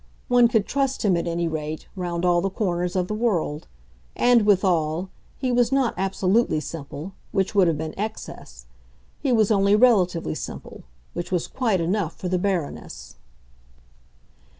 One could trust him, at any rate, round all the corners of the world; and, withal, he was not absolutely simple, which would have been excess; he was only relatively simple, which was quite enough for the Baroness.